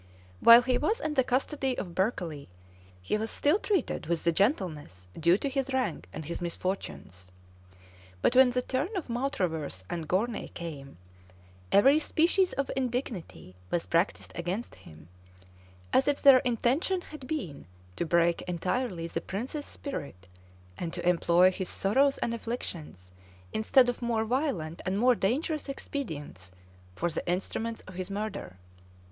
While he was in the custody of Berkeley, he was still treated with the gentleness due to his rank and his misfortunes; but when the turn of Mautravers and Gournay came, every species of indignity was practised against him, as if their intention had been to break entirely the prince's spirit, and to employ his sorrows and afflictions, instead of more violent and more dangerous expedients, for the instruments of his murder.